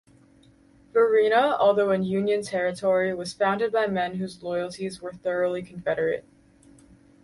Verina, although in Union territory, was founded by men whose loyalties were thoroughly Confederate.